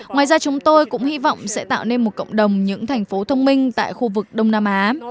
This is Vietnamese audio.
ngoài ra chúng tôi cũng hy vọng sẽ tạo nên một cộng đồng những thành phố thông minh tại khu vực đông nam á